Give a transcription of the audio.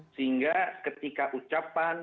sehingga ketika ucapan